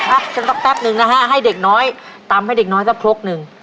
ครับจนต้องแป๊บหนึ่งนะฮะให้เด็กน้อยตำให้เด็กน้อยสักครบหนึ่ง